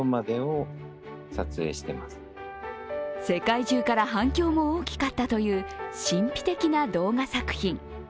世界中から反響も大きかったという神秘的な動画作品。